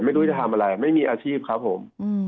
ไม่รู้จะทำอะไรไม่มีอาชีพครับผม